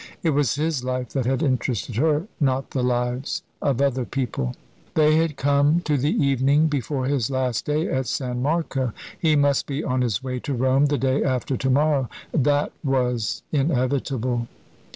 It was his life that had interested her, not the lives of other people. They had come to the evening before his last day at San Marco. He must be on his way to Rome the day after to morrow that was inevitable.